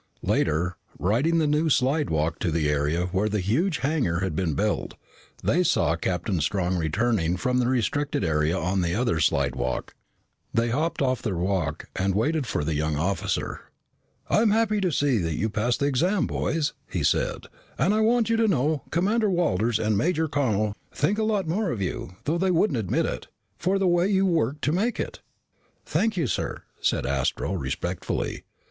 Later, riding the new slidewalk to the area where the huge hangar had been built, they saw Captain Strong returning from the restricted area on the other slidewalk. They hopped off their walk and waited for the young officer. "I'm happy that you passed the exams, boys," he said. "And I want you to know Commander Walters and Major Connel think a lot more of you, though they wouldn't admit it, for the way you worked to make it." "Thank you, sir," said Astro respectfully.